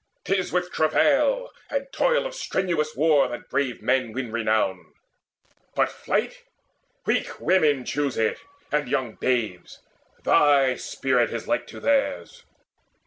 'Tis with travail and toil Of strenuous war that brave men win renown; But flight? weak women choose it, and young babes! Thy spirit is like to theirs.